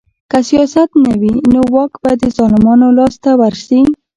که سیاست نه وي نو واک به د ظالمانو لاس ته ورشي